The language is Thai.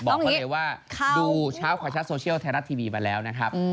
บอกเขาเลยว่าดูชาวขวาชะโซเชียลแทรนัททีวีมาแล้วนะครับ